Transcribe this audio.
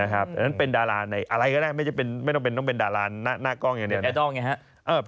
แต่เป็นดาราอะไรก็ได้ไม่ต้องเป็นดาราหน้ากล้องเนี่ย